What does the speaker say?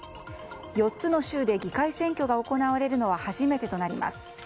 ４つの州で議会選挙が行われるのは初めてとなります。